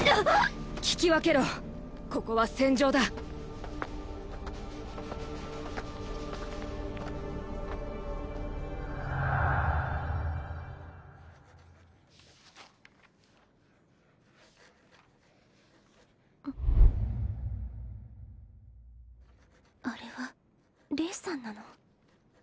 聞き分けろここは戦場だあれはレイさんなの？